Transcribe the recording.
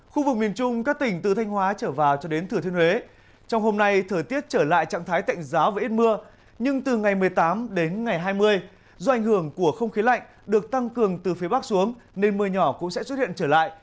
khu vực miền trung các tỉnh từ thanh hóa trở vào cho đến thừa thiên huế trong hôm nay thời tiết trở lại trạng thái tạnh giáo và ít mưa nhưng từ ngày một mươi tám đến ngày hai mươi do ảnh hưởng của không khí lạnh được tăng cường từ phía bắc xuống nên mưa nhỏ cũng sẽ xuất hiện trở lại